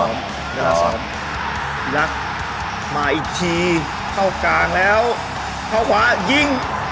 ยักษ์มาอีกทีเข้ากลางแล้วเข้าขวายิง